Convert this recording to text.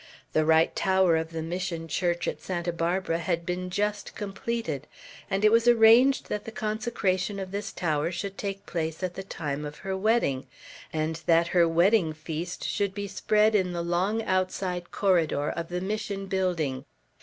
The right tower of the Mission church at Santa Barbara had been just completed, and it was arranged that the consecration of this tower should take place at the time of her wedding, and that her wedding feast should be spread in the long outside corridor of the Mission building.